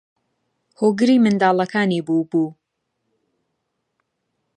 هۆگری منداڵەکانی بووبوو